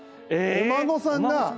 お孫さんが。